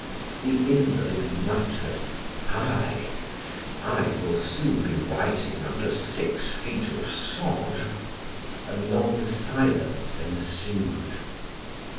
The invalid muttered: "I? I will soon be writing under six feet of sod." A long silence ensued.